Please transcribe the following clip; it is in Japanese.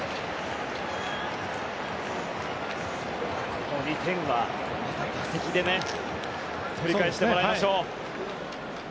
この２点は、また打席で取り返してもらいましょう。